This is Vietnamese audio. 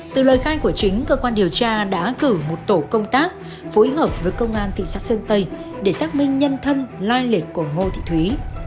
từ lời khai của chính cơ quan điều tra đã cử một tổ công tác phối hợp với công an thị xã sơn tây để xác minh nhân thân lai lịch của ngô thị thúy